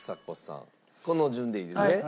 この順でいいですね？